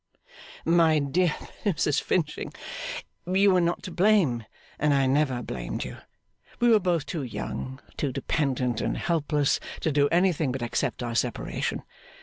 'My dear Mrs Finching, you were not to blame, and I never blamed you. We were both too young, too dependent and helpless, to do anything but accept our separation.